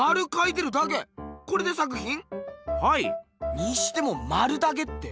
にしてもまるだけって。